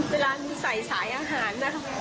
เวลานี้ใส่สายอาหารนะครับ